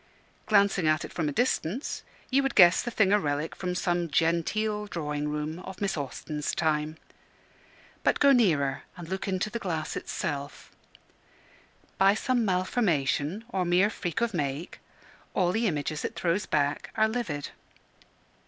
Glancing at it from a distance, you would guess the thing a relic from some "genteel" drawing room of Miss Austen's time. But go nearer and look into the glass itself. By some malformation or mere freak of make, all the images it throws back are livid.